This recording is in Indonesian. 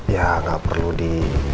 ya nggak perlu di